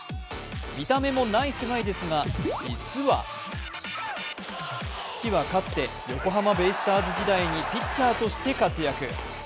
見た目もナイスガイですが、実は父はかつて横浜ベイスターズ時代にピッチャーとして活躍。